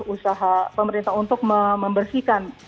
usaha pemerintah untuk membersihkan